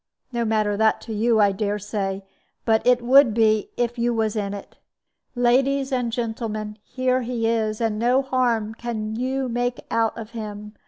No matter that to you, I dare say; but it would be, if you was in it. "Ladies and gentlemen, here he is, and no harm can you make out of him.